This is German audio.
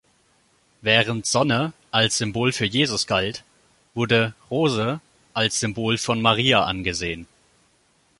Während „"Sonne"“ als Symbol für Jesus galt, wurde „"Rose"“ als Symbol von Maria angesehen.